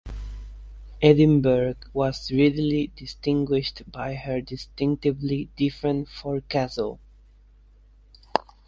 "Edinburgh" was readily distinguished by her distinctively different forecastle.